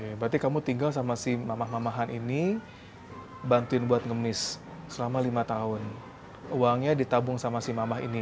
oke berarti kamu tinggal sama si mamah mama mamahan ini bantuin buat ngemis selama lima tahun uangnya ditabung sama si mamah ini